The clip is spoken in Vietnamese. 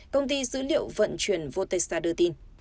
công ty dữ liệu vận chuyển votesta đưa tin